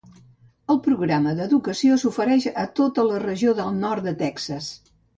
El programa d"educació s"ofereix a tota la regió del Nord de Texas.